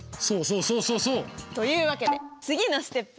そうそうそうそうそう！というわけで次のＳＴＥＰ。